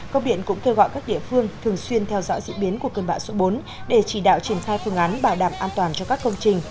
công điện cũng kêu gọi các địa phương thường xuyên theo dõi diễn biến của cơn bão số bốn để chỉ đạo triển khai phương án bảo đảm an toàn cho các công trình